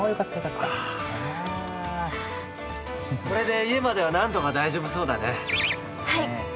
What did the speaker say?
これで家までは何とか大丈夫そうだね。